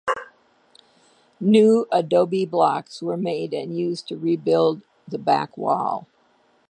New adobe blocks were made and used to rebuild the back wall.